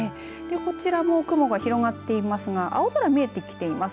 こちらも雲が広がっていますが青空見えてきています。